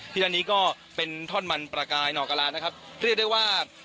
ที่แนนีท่อนมันประกายหนอกร้านนะครับเรียกได้ว่า